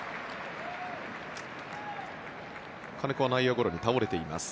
金子は内野ゴロに倒れています。